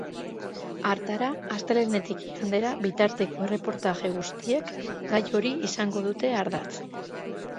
Hartara, astelehenetik igandera bitarteko erreportaje guztiek gai hori izango dute ardatz.